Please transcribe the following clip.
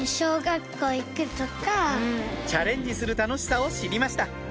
チャレンジする楽しさを知りました